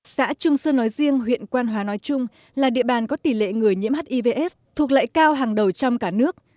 xã trung sơn nói riêng huyện quan hóa nói chung là địa bàn có tỷ lệ người nhiễm hivs thuộc lại cao hàng đầu trong cả nước